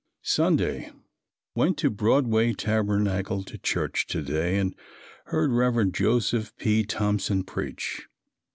Sunday. Went to Broadway Tabernacle to church to day and heard Rev. Joseph P. Thompson preach.